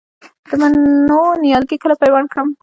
د مڼو نیالګي کله پیوند کړم؟